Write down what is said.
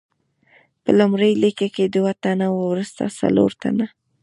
په لومړۍ لیکه کې دوه تنه، وروسته څلور تنه.